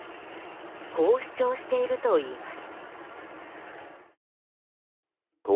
こう主張しているといいます。